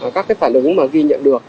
các cái phản ứng mà ghi nhận được